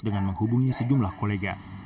dengan menghubungi sejumlah kolega